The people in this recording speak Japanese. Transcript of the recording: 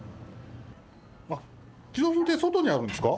あっ寄贈品って外にあるんですか？